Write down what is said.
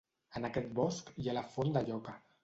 En aquest bosc hi ha la Font de Lloca.